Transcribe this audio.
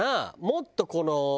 もっとこの。